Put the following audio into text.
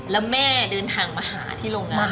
แล้วแม่เดินทางมาหาที่โรงงาน